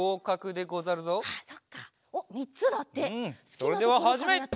それでははじめ！